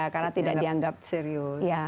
karena tidak dianggap serius